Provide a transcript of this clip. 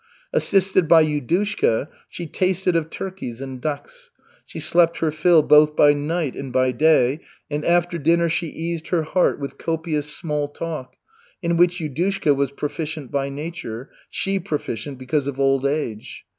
Assisted by Yudushka she tasted of turkeys and ducks; she slept her fill both by night and by day, and after dinner she eased her heart with copious small talk, in which Yudushka was proficient by nature, she proficient because of old age.